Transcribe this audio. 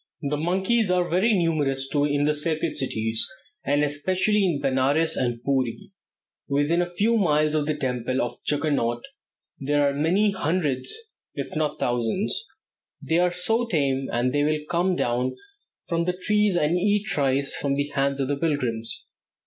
The monkeys are very numerous in the sacred cities, and especially in Benares and Pooree. Within a few miles of the temple of Juggernaut there are many hundreds, if not thousands. They are so tame that they will come down from the trees and eat rice from the hands of the pilgrims.